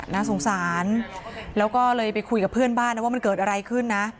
น่าสงสารแล้วก็เลยไปคุยกับเพื่อนบ้านนะว่ามันเกิดอะไรขึ้นนะ